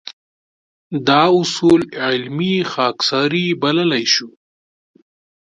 دا اصول علمي خاکساري بللی شو.